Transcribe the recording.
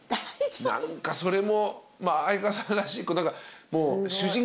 何かそれもまあ哀川さんらしい。